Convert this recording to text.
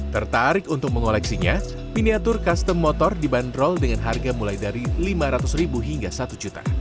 tertarik untuk mengoleksinya miniatur custom motor dibanderol dengan harga mulai dari lima ratus ribu hingga satu juta